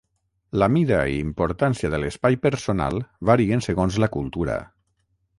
La mida i importància de l'espai personal varien segons la cultura.